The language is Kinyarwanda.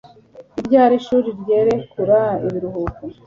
ni ryari ishuri ryarekura ibiruhuko